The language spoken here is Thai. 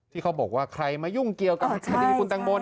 ที่เขาบอกว่าใครมายุ่งเกี่ยวกับคดีคุณตังโม